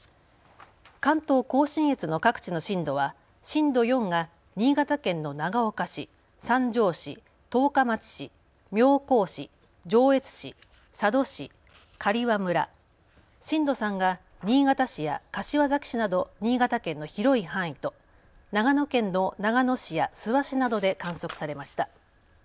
関東甲信越の各地の震度は震度４が新潟県の長岡市、三条市、十日町市、妙高市、上越市、佐渡市、刈羽村、震度３が新潟市や柏崎市など新潟県の広い範囲と長野県の長野市や諏訪市などで観測されました。